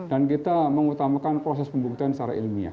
dan kita mengutamakan proses pembuktian secara ilmiah